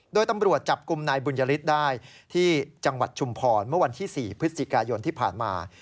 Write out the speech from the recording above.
โดยตำรวจจับกลุ่มนายบุญยฤทธิ์ได้ที่จังหวัดชุมพรเมื่อวันที่๔พฤศจิกายนที่ผ่านมา